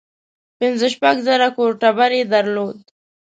پنځه شپږ زره کور ټبر یې درلود.